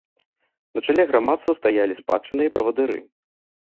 На чале грамадства стаялі спадчынныя правадыры.